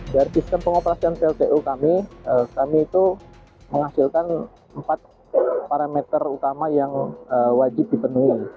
dari sistem pengoperasian pltu kami kami itu menghasilkan empat parameter utama yang wajib dipenuhi